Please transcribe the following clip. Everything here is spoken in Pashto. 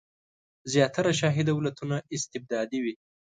زیاتره شاهي دولتونه استبدادي وي.